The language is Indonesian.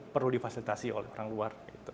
perlu difasilitasi oleh orang luar